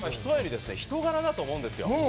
人柄だと思うんですよ。